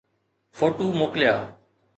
photo موڪليا